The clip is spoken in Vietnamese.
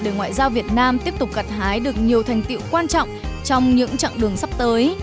để ngoại giao việt nam tiếp tục gặt hái được nhiều thành tiệu quan trọng trong những chặng đường sắp tới